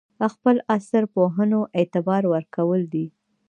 خپل عصر پوهنو اعتبار ورکول دي.